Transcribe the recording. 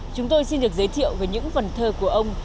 chúng tôi xin được giới thiệu về những phần thơ của ông